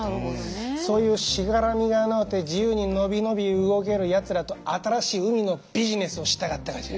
そういうしがらみがのうて自由に伸び伸び動けるやつらと新しい海のビジネスをしたかったがじゃ。